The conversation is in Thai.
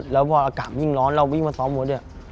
แล้วพออากาศยิ่งร้อนเราวิ่งมาซ้อมมดเนี่ย